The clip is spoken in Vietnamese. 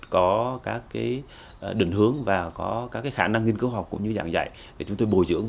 có các định hướng và có các khả năng nghiên cứu học cũng như giảng dạy để chúng tôi bồi dưỡng